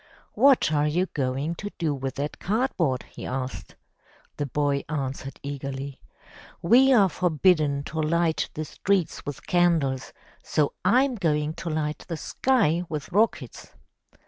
"What are you going to do with that cardboard?'' he asked. The boy answered eagerly: "We are forbidden to light the streets with candles, so I'm going to light the sky with rockets!"